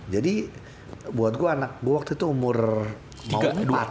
jadi buat gue anak gue waktu itu umur mau empat